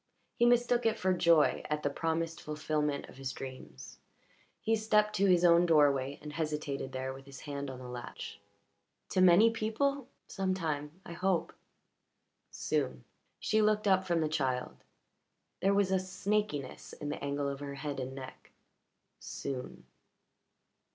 He mistook it for joy at the promised fulfilment of his dreams. He stepped to his own doorway and hesitated there with his hand on the latch. "To many people? Some time, I hope." "Soon." She looked up from the child; there was a snakiness in the angle of her head and neck. "Soon."